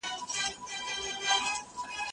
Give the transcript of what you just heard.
هغه څوک چي کار کوي منظم وي؟!